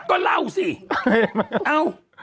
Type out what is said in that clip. ก็เล่าสิเนี่ย